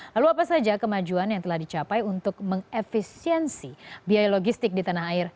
lalu apa saja kemajuan yang telah dicapai untuk mengefisiensi biaya logistik di tanah air